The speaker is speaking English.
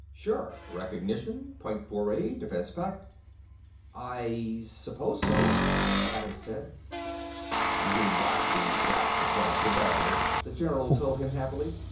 "Sure. Recognition. Point Four Aid. Defense pact." "I suppose so," Adams said. "You got these saps across the barrel," the general told him happily.